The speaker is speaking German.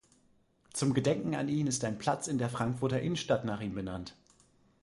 Zum Gedenken an ihn ist ein Platz in der Frankfurter Innenstadt nach ihm benannt.